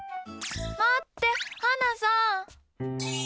待って、はなさん！